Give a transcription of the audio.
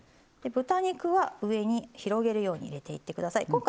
豚肉は上に広げるように入れていってください。